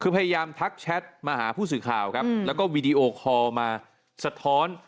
คือพยายามทักแชทมาหาผู้สื่อข่าวครับแล้วก็วีดีโอคอลมาสะท้อน